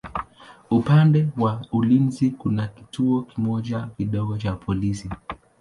Upande wa ulinzi kuna kituo kimoja kidogo cha polisi.